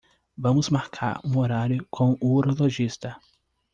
Vamos marcar um horário com o urologista